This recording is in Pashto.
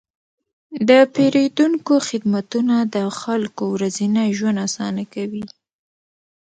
د پیرودونکو خدمتونه د خلکو ورځنی ژوند اسانه کوي.